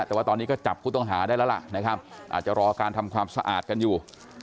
แต่ว่าตอนนี้ก็จับผู้ต้องหาได้แล้วล่ะนะครับอาจจะรอการทำความสะอาดกันอยู่